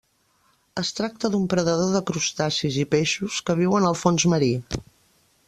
Es tracta d'un predador de crustacis i peixos que viuen al fons marí.